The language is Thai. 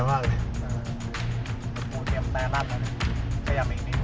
มันมีน้อย